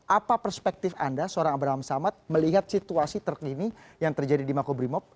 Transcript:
apa perspektif anda seorang abraham samad melihat situasi terkini yang terjadi di makobrimob